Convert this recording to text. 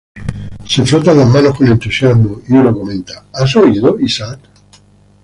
Se frotan las manos con entusiasmo, y uno comenta: "¿Has oído, Isaac?